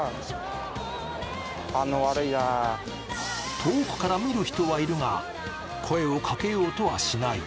遠くから見る人はいるが声をかけようとはしない。